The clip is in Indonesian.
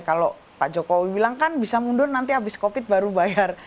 kalau pak jokowi bilang kan bisa mundur nanti habis covid baru bayar